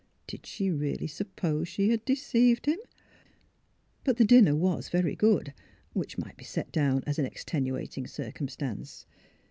Did she really suppose she had deceived him I But the dinner was very good, which might be set down as an extenuating circumstance.